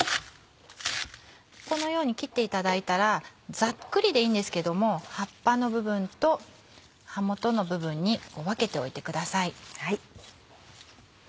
このように切っていただいたらざっくりでいいんですけども葉っぱの部分と葉元の部分に分けておいてください。